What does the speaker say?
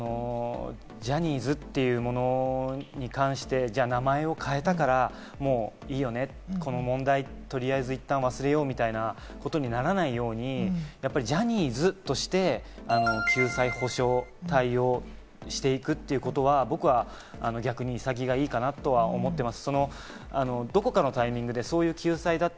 ジャニーズというものに関して、名前を変えたから、もういいよね、この問題取りあえずいったん忘れようみたいなことにならないように、やっぱりジャニーズとして救済・補償対応をしていくということは僕は逆に潔いかなと思っています。